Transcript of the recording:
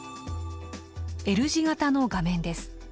Ｌ字型の画面です。